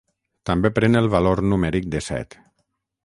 També pren el valor numèric de set.